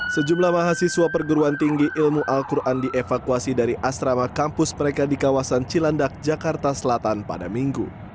sejumlah mahasiswa perguruan tinggi ilmu al quran dievakuasi dari asrama kampus mereka di kawasan cilandak jakarta selatan pada minggu